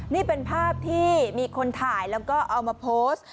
นี่เป็นภาพที่มีคนถ่ายแล้วก็เอามาโพสต์